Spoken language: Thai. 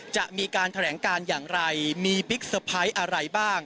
จะมีการแถลงการอย่างไรมีบิ๊กสปรายอะไรบ้าง